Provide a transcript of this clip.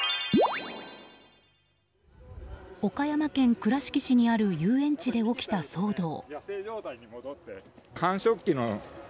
岡山県倉敷市にある遊園地で起きた騒動。